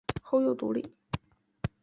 后又独立。